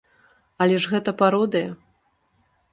Але ж гэта пародыя!